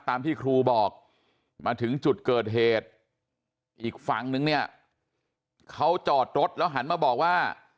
ตามที่ครูบอกมาถึงจุดเกิดเหตุอีกฝั่งนึงเนี่ยเขาจอดรถแล้วหันมาบอกว่า